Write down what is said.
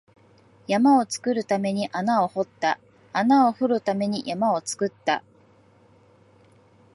山を作るために穴を掘った、穴を掘るために山を作った